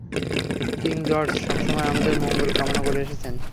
King George সবসময়ই আমাদের মঙ্গল কামনা করে এসেছেন।